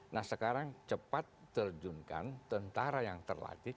nah sekarang cepat terjunkan tentara yang terlatih